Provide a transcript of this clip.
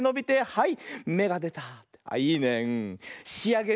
はい。